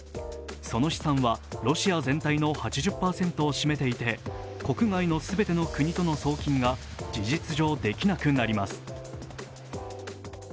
その資産はロシア全体の８０％を占めていて、国外の全ての国との送金が事実上できなくなります。